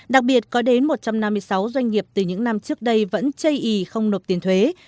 đặc biệt có đến một trăm năm mươi sáu doanh nghiệp từ những năm trước đây vẫn chây ý không nộp tiền thuế